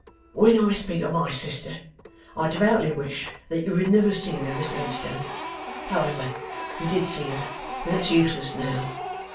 'When I speak of my sister, I devoutly wish that you had never seen her, Mr Headstone. However, you did see her, and that's useless now.